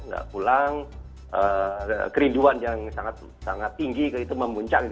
gak pulang kerinduan yang sangat tinggi itu memuncak